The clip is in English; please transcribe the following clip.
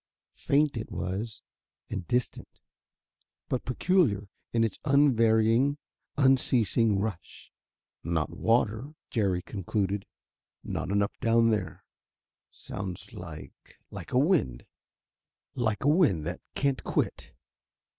Faint it was, and distant, but peculiar in its unvarying, unceasing rush. "Not water," Jerry concluded; "not enough down there. Sounds like like a wind like a wind that can't quit.